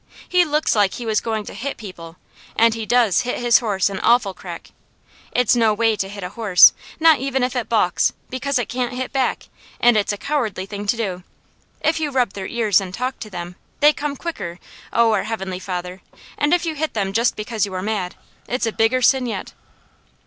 He looks like he was going to hit people, and he does hit his horse an awful crack. It's no way to hit a horse, not even if it balks, because it can't hit back, and it's a cowardly thing to do. If you rub their ears and talk to them, they come quicker, O our Heavenly Father, and if you hit them just because you are mad, it's a bigger sin yet.